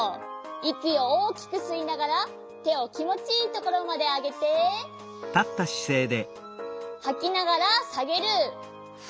いきをおおきくすいながらてをきもちいいところまであげてはきながらさげる。